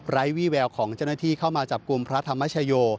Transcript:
วี่แววของเจ้าหน้าที่เข้ามาจับกลุ่มพระธรรมชโย